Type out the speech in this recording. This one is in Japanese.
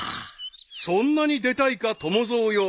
［そんなに出たいか友蔵よ］